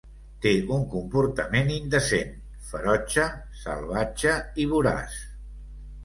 Té un comportament indecent, ferotge, salvatge i voraç.